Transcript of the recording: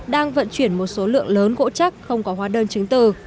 đang vận chuyển một số lượng lớn gỗ chắc không có hóa đơn chứng từ